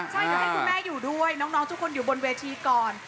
ใช่เดี๋ยวให้คุณแม่อยู่ด้วยน้องทุกคนอยู่บนเวทีก่อน